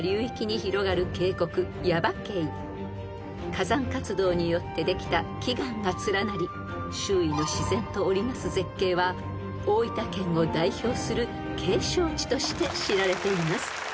［火山活動によってできた奇岩が連なり周囲の自然と織り成す絶景は大分県を代表する景勝地として知られています］